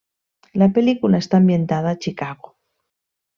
La pel·lícula està ambientada a Chicago.